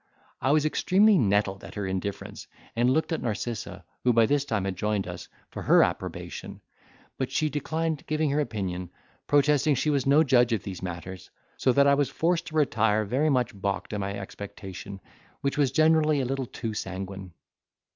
I was extremely nettled at her indifference, and looked at Narcissa, who by this time had joined us, for her approbation; but she declined giving her opinion, protesting she was no judge of these matters; so that I was forced to retire very much balked in my expectation, which was generally a little too sanguine.